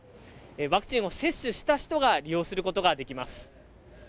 ワクチンを接種した人が利用することができます。